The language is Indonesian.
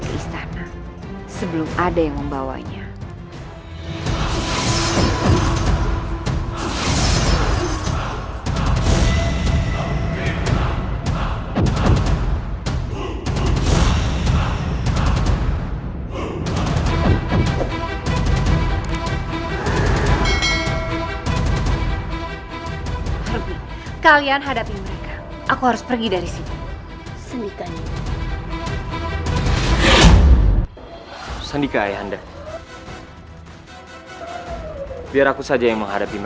chris itu seperti ada yang menjaganya bagaimanapun aku harus bisa mendapatkan chris itu